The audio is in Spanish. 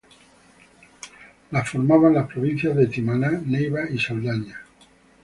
La formaban las providencias de Timaná, Neiva y Saldaña.